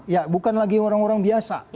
ya bukan lagi orang orang biasa